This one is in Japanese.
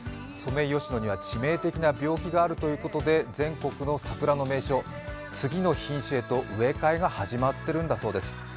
ソメイヨシノには致命的な病気があるということで全国の桜の名所、次の品種へと植え替えが始まっているんだそうです。